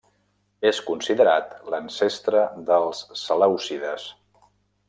És considerat l'ancestre dels selèucides.